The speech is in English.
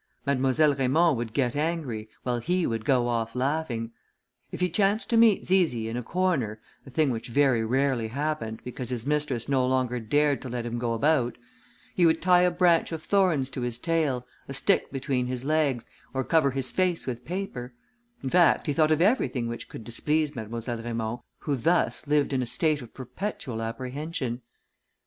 Mademoiselle Raymond would get angry, while he would go off laughing. If he chanced to meet Zizi in a corner, a thing which very rarely happened, because his mistress no longer dared to let him go about, he would tie a branch of thorns to his tail, a stick between his legs, or cover his face with paper; in fact he thought of everything which could displease Mademoiselle Raymond, who thus lived in a state of perpetual apprehension.